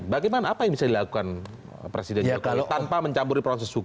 bagaimana apa yang bisa dilakukan presiden jokowi tanpa mencampuri proses hukum